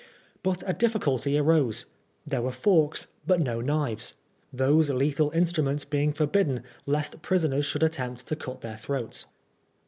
But a difficulty arose. There were forks, but no knives ; those lethal instru ments being forbidden lest prisoners should attempt to cut their throats.